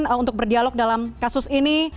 untuk berdialog dalam kasus ini